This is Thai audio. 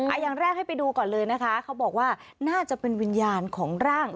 อย่างแรกให้ไปดูก่อนเลยนะคะเขาบอกว่าน่าจะเป็นวิญญาณของร่าง